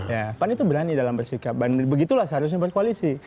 ya pan itu berani dalam bersikap dan begitulah seharusnya berkoalisi